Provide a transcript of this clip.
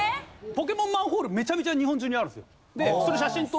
ポケモンマンホールめちゃめちゃ日本中にあるんですよ。